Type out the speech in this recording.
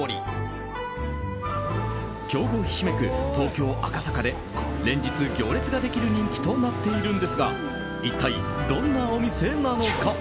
競合ひしめく東京・赤坂で連日、行列ができる人気となっているんですが一体どんなお店なのか。